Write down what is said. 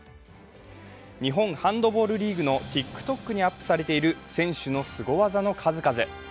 日本ハンドボールリーグのＴｉｋＴｏｋにアップされてい、る選手のスゴ技の数々。